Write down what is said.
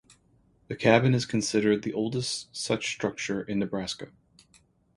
The cabin is considered the oldest such structure in Nebraska.